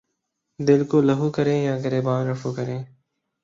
دل کو لہو کریں یا گریباں رفو کریں